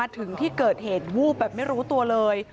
ถึงที่เกิดเหตุวูบแบบไม่รู้ตัวเลย